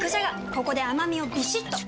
ここで甘みをビシッと！